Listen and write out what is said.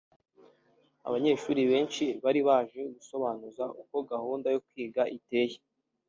abanyeshuri benshi bari baje gusobanuza uko gahunda yo kwiga iteye